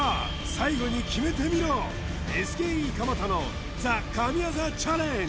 最後に決めてみろＳＫＥ鎌田のＴＨＥ神業チャレンジ